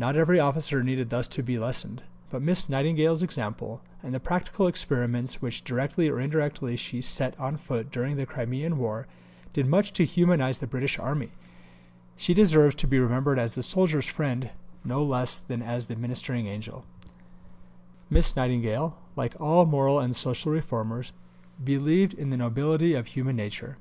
Not every officer needed thus to be lessoned, but Miss Nightingale's example, and the practical experiments which directly or indirectly she set on foot during the Crimean War, did much to humanize the British Army. She deserves to be remembered as the Soldiers' Friend no less than as the Ministering Angel. In continuation of the letter quoted above, p. 255. Miss Nightingale, like all moral and social reformers, believed in the nobility of human nature.